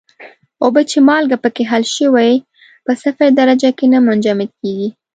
اوبه چې مالګه پکې حل شوې په صفر درجه کې نه منجمد کیږي.